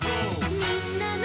「みんなの」